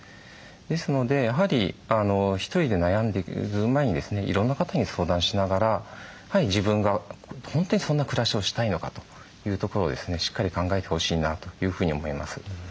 ですのでやはり１人で悩んでる前にですねいろんな方に相談しながら自分が本当にそんな暮らしをしたいのかというところをですねしっかり考えてほしいなというふうに思います。